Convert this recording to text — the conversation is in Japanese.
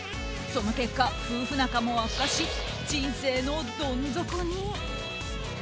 その結果、夫婦仲も悪化し人生のどん底に。